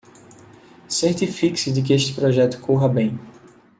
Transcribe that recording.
Certifique-se de que este projeto corra bem